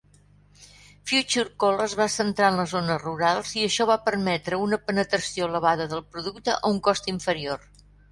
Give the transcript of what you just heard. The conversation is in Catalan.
Future Cola es va centrar en les zones rurals i això va permetre una penetració elevada del producte a un cost inferior.